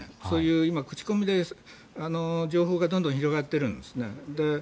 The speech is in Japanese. そういう口コミで情報がどんどん広がっているんですね。